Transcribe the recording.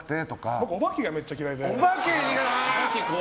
僕お化けがめっちゃ嫌いで。